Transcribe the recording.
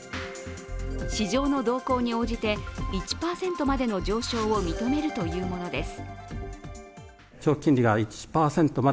市場の動向に応じて１％までの上昇を認めるというものです。